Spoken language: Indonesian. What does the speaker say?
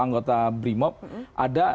anggota brimob ada